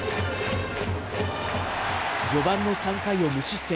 序盤の３回を無失点。